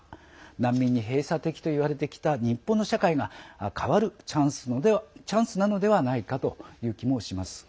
難民に閉鎖的といわれてきた日本の社会が変わるチャンスなのではないかという気もします。